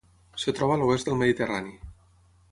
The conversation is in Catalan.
Es troba a l'oest del Mediterrani.